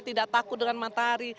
tidak takut dengan matahari